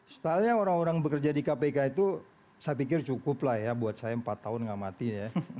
stylenya orang orang bekerja di kpk itu saya pikir cukup lah ya buat saya empat tahun gak mati ya